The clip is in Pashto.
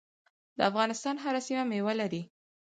د افغانستان هره سیمه میوه لري.